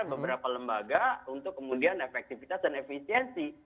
beberapa lembaga untuk kemudian efektivitas dan efisiensi